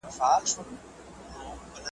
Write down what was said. ایا هغوی د خپلو پلانونو په اړه غږېږي؟